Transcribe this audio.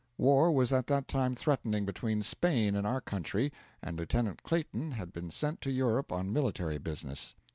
War was at that time threatening between Spain and our country, and Lieutenant Clayton had been sent to Europe on military business.